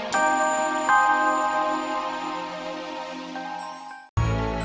terima kasih pak